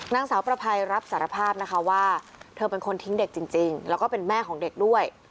นางสาวประภัยรับสารภาพนะคะว่าเธอเป็นคนทิ้งเด็กจริงแล้วก็เป็นแม่ของเด็กด้วย